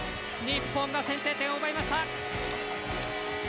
日本が先制点を奪いました。